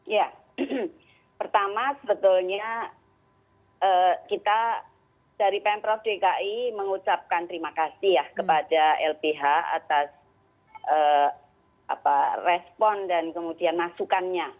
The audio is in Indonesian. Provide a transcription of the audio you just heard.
ya pertama sebetulnya kita dari pemprov dki mengucapkan terima kasih ya kepada lbh atas respon dan kemudian masukannya